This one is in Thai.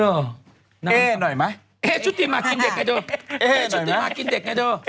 เอ๊หน่อยมั้ยเอ๊ชุติมากินเด็กไงดู